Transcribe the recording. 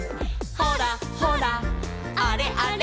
「ほらほらあれあれ」